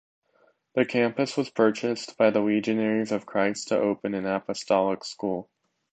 The campus was purchased by the Legionaries of Christ to open an apostolic school.